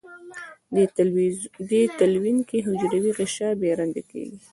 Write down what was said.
دې تلوین کې حجروي غشا بې رنګه کیږي.